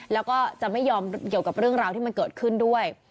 แล้วก็จะไม่ยอมเกี่ยวกับเรื่องราวที่มันเกิดขึ้นด้วย